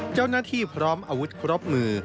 เจ้าหน้าที่พร้อมอาวุธครบมือ